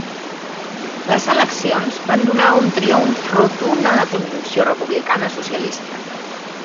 Les eleccions van donar un triomf rotund a la Conjunció republicana-socialista.